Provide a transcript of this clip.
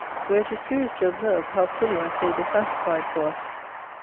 Where it is curious to observe, how fully our Saviour satisfied for us.